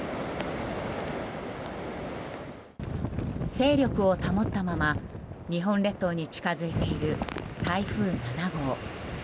勢力を保ったまま日本列島に近づいている台風７号。